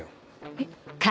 えっ？